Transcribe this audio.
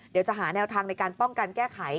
เดี๋ยวจะหาแนวทางในการป้องกันแก้ไข